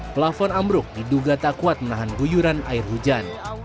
pelafon ambruk diduga tak kuat menahan huyuran air hujan